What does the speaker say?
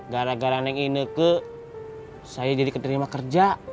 gara gara neng ineke saya jadi keterima kerja